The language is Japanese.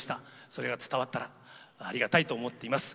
それが伝わったらありがたいと思っています。